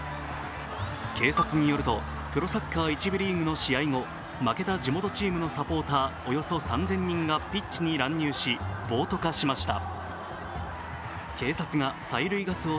警察によると、プロサッカー１部リーグの試合後、負けた地元チームのサポーター、およそ３０００人がピッチに乱入し、暴徒化しました。